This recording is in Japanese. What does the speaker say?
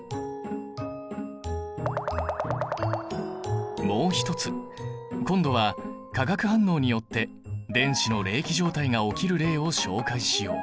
炎色反応ではもう一つ今度は化学反応によって電子の励起状態が起きる例を紹介しよう。